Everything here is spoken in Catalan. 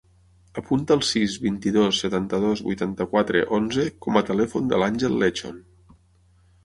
Apunta el sis, vint-i-dos, setanta-dos, vuitanta-quatre, onze com a telèfon de l'Àngel Lechon.